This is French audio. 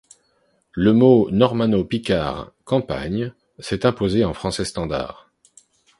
Le mot normanno-picard campagne s'est imposé en français standard.